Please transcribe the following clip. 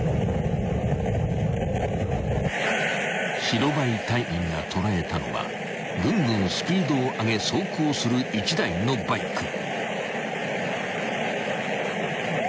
［白バイ隊員が捉えたのはぐんぐんスピードを上げ走行する１台のバイク］